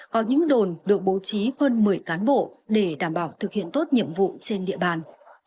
có những đồn được bố trí hơn một mươi cán bộ để đảm bảo thực hiện tốt nhiệm vụ trên địa bàn